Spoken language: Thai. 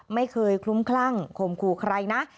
ไม่เคยคลุ้มคลั่งโคมครูใครนะ